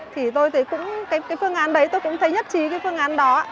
thì phương án đấy tôi cũng thấy nhất trí cái phương án đó